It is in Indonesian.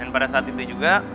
dan pada saat itu juga